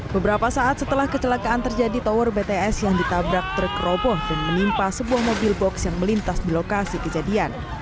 beberapa saat setelah kecelakaan terjadi tower bts yang ditabrak truk roboh dan menimpa sebuah mobil box yang melintas di lokasi kejadian